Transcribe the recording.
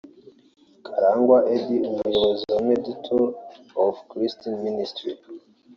Karangwa Eddy umuyobozi wa Mediators of Christ Ministry